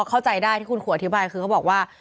เข้าใจได้ที่คุณครูอธิบายว่า